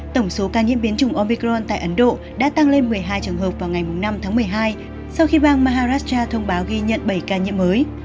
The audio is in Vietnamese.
tổng số ca nhiễm biến chủng omicron tại ấn độ đã tăng lên một mươi hai trường hợp vào ngày năm tháng một mươi hai sau khi bang maharasta thông báo ghi nhận bảy ca nhiễm mới